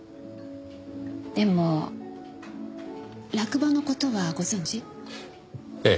でも落馬の事はご存じ？ええ。